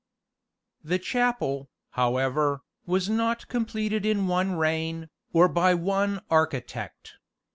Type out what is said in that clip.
The chapel, however, was not completed in one reign, or by one architect.